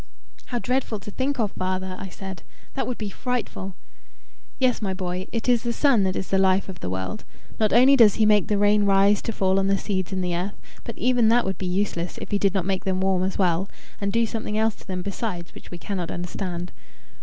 "How dreadful to think of, father!" I said. "That would be frightful." "Yes, my boy. It is the sun that is the life of the world. Not only does he make the rain rise to fall on the seeds in the earth, but even that would be useless, if he did not make them warm as well and do something else to them besides which we cannot understand.